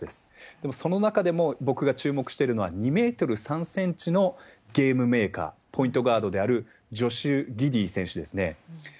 でも、その中でも僕が注目しているのは、２メートル３センチのゲームメーカー、ポイントガードであるジョシュ・ギディー選手ですね。